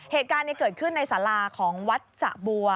เหตุการณ์เกิดขึ้นในสาราของวัดสะบัว